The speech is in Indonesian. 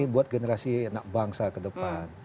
buat generasi anak bangsa ke depan